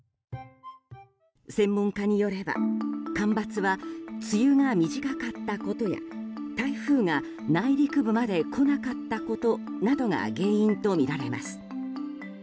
専門家によれば、干ばつは梅雨が短かったことや台風が内陸部まで来なかったことなどが原因とみられます。